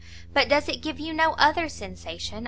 But does it give you no other sensation?